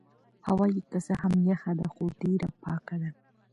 هوا يې که څه هم یخه ده خو ډېره پاکه ده.